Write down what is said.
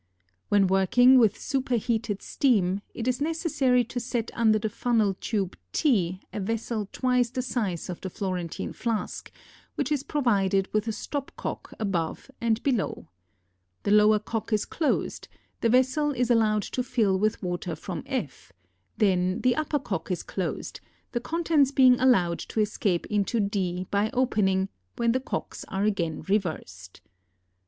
When working with superheated steam, it is necessary to set under the funnel tube T a vessel twice the size of the Florentine flask, which is provided with a stop cock above and below. The lower cock is closed, the vessel is allowed to fill with water from F, then the upper cock is closed, the contents being allowed to escape into D by opening, when the cocks are again reversed.